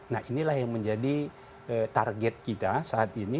nah inilah yang menjadi target kita saat ini